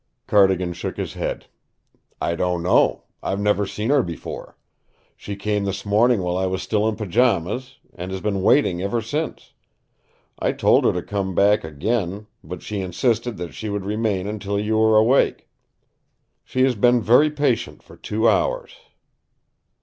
Cardigan shook his head. "I don't know. I've never seen her before. She came this morning while I was still in pajamas, and has been waiting ever since. I told her to come back again, but she insisted that she would remain until you were awake. She has been very patient for two hours."